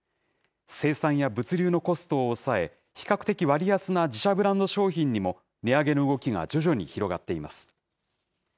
生産や物流のコストを抑え、比較的割安な自社ブランド商品にも値上げの動きが徐々に広がっています。